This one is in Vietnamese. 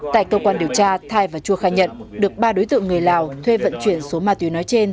tại cơ quan điều tra thai và chua khai nhận được ba đối tượng người lào thuê vận chuyển số ma túy nói trên